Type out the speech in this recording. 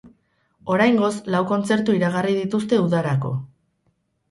Oraingoz, lau kontzertu iragarri dituzte udarako.